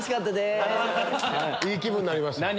いい気分になりました。